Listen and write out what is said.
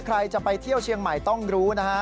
ใครจะไปเที่ยวเชียงใหม่ต้องรู้นะฮะ